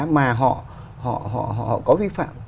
mà họ có vi phạm